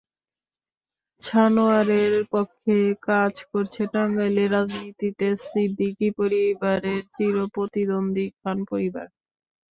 ছানোয়ারের পক্ষে কাজ করছে টাঙ্গাইলের রাজনীতিতে সিদ্দিকী পরিবারের চির প্রতিদ্বন্দ্বী খান পরিবার।